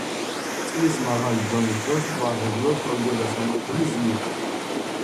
წყლის მაღალი დონის დროს ტბა ღებულობს ტოლგვერდა სამკუთხედის იერს.